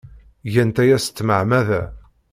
Gant aya s tmeɛmada.